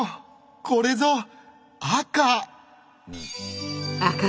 これぞ赤！